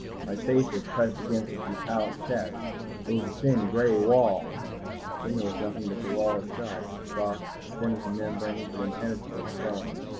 My face was pressed against its metallic chest, it was a thin gray wall.... Then there was nothing but the wall itself, dark, thin as a membrane, but impenetrably strong.